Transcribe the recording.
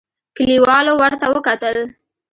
کليوالو ورته وکتل.